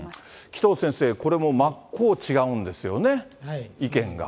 紀藤先生、これも真っ向違うんですよね、意見が。